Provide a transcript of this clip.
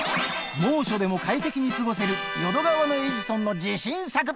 猛暑でも快適に過ごせる、淀川のエジソンの自信作。